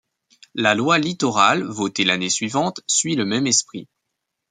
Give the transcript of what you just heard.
La loi Littoral, votée l'année suivante, suit le même esprit.